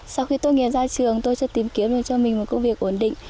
sau khi tôi nghiêm gia trường tôi sẽ tìm kiếm được cho mình một công việc ổn định